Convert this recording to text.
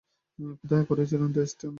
কোথায় করিয়েছিলেন টেস্ট?